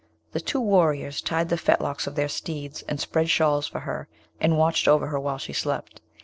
The two warriors tied the fetlocks of their steeds, and spread shawls for her, and watched over her while she slept.